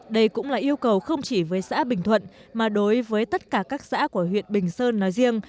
đây cũng là yêu cầu không chỉ với xã bình thuận mà đối với tất cả các xã của huyện bình sơn nói riêng